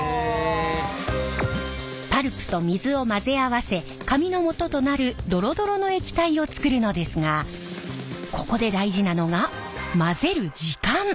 パルプと水を混ぜ合わせ紙のもととなるドロドロの液体を作るのですがここで大事なのが混ぜる時間。